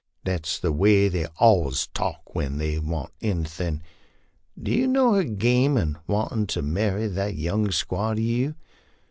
That's the way they allus talk when they want anythin'. Do you know her game in wantin' to marry that young squaw to you?